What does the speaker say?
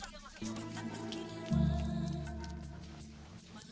saya gak ganggu suaminya mbak